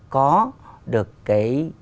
có được cái